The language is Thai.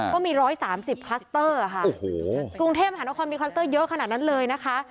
ก็มี๑๓๐คลัสเตอร์ค่ะกรุงเทพมหานครมีคลัสเตอร์เยอะขนาดนั้นเลยนะคะ